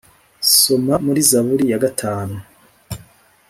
Soma muri Zaburi ya gatanu